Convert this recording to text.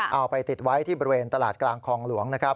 เอาไปติดไว้ที่บริเวณตลาดกลางคลองหลวงนะครับ